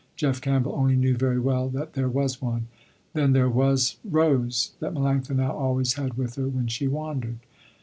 Jeff Campbell only knew very well that there was one. Then there was Rose that Melanctha now always had with her when she wandered.